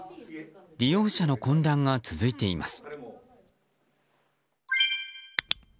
利用者の混乱が続いています。